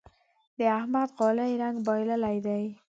د احمد غالۍ رنګ بايللی دی.